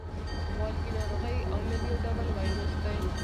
والګی ناروغۍ عامل یو ډول ویروس دی.